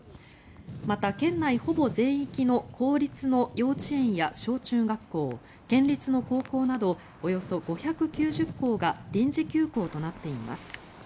また、県内ほぼ全域の公立の幼稚園や小中学校県立の高校などおよそ５９０校が臨時休校となっています。